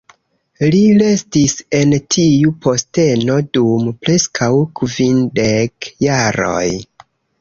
Li restis en tiu posteno dum preskaŭ kvindek jaroj.